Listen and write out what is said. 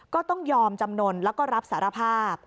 ก็ต้องยอมจำนวนแล้วก็รับสารภาพ